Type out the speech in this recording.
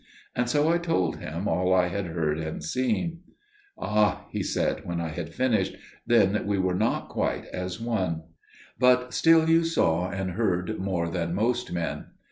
And so I told him all I had heard and seen. "Ah!" he said when I had finished, "then we were not quite as one. But still you saw and heard more than most men.